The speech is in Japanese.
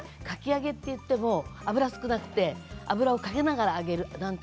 かき揚げといっても油が少なくて油をかけながら揚げる